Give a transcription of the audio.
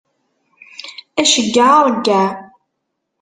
Aceggeɛ d aṛeggeɛ.